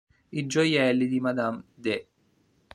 I gioielli di madame de...